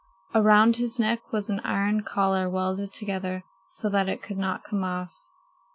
Around his neck was an iron collar welded together so that it could not come off.